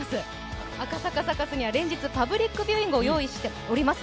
サカスには連日、パブリックビューイングを用意しております。